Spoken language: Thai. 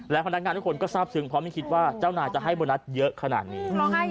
พนักงานทุกคนก็ทราบซึ้งเพราะไม่คิดว่าเจ้านายจะให้โบนัสเยอะขนาดนี้